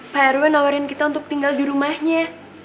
pak erwin nawarin kita untuk tinggal di rumahnya